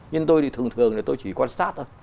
nhưng tôi thì thường thường là tôi chỉ quan sát thôi